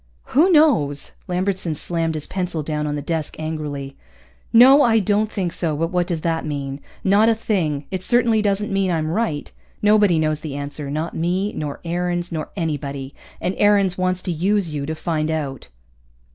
"Who knows?" Lambertson slammed his pencil down on the desk angrily. "No, I don't think so, but what does that mean? Not a thing. It certainly doesn't mean I'm right. Nobody knows the answer, not me, nor Aarons, nor anybody. And Aarons wants to use you to find out."